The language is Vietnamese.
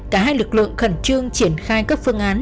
cả hai lực lượng khẩn trương triển khai các phương án